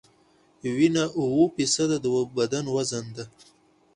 وینه اووه فیصده د بدن وزن ده.